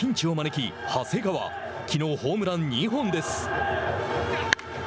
きのうホームラン２本です。